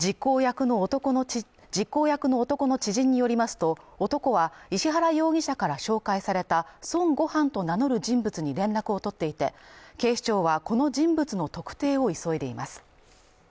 実行役の男の知人によりますと、男は石原容疑者から紹介された孫悟飯と名乗る人物に連絡を取っていて、警視庁はこの人物の特定を急いでいます。